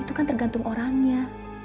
itu kan tergantung orangnya